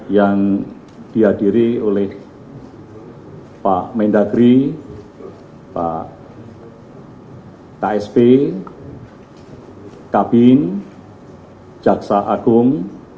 yang dihadiri oleh pak mendagri pak ksp kabin jaksa agung